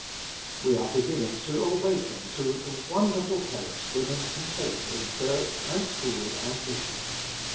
We are beginning to awaken to the wonder ful place woman can take in church and school and mission.